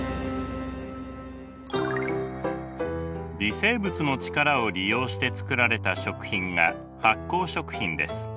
微生物の力を利用して作られた食品が発酵食品です。